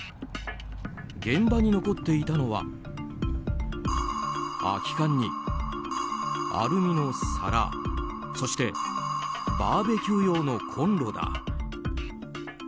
現場に残っていたのは空き缶に、アルミの皿そしてバーベキュー用のコンロだ。